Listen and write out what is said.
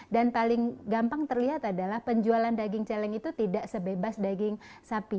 dan paling gampang terlihat adalah penjualan daging celeng itu tidak sebebas daging sapi